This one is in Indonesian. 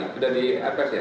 sudah di apes ya